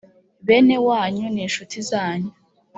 bene wanyu n incuti zanyu